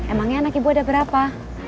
emangnya anak ibu ada berapa